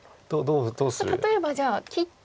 例えばじゃあ切って。